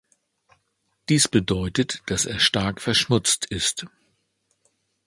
Dies bedeutet, dass er stark verschmutzt ist.